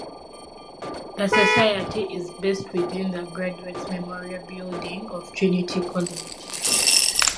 The society is based within the Graduates Memorial Building of Trinity College.